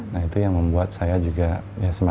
nah itu yang membuat saya juga ya